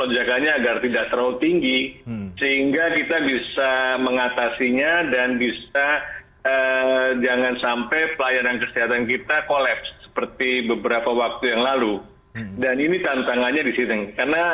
varian baru jangan terlalu panik